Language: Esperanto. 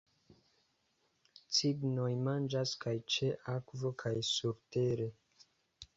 Cignoj manĝas kaj ĉe akvo kaj surtere.